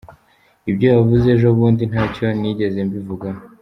“Ibyo yavuze ejo bundi ntacyo nigeze mbivugaho.”